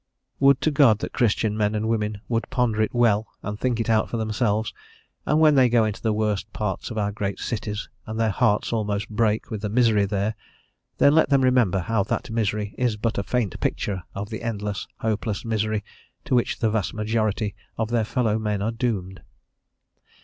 Would to God that Christian men and women would ponder it well and think it out for themselves, and when they go into the worst parts of our great cities and their hearts almost break with the misery there, then let them remember how that misery is but a faint picture of the endless, hopeless, misery, to which the vast majority of their fellow men are doomed.